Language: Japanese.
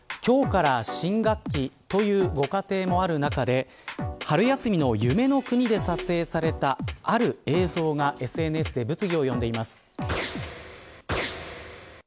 今日から新学期というご家庭もある中で春休みの夢の国で撮影されたある映像がＳＮＳで物議を呼んでいます。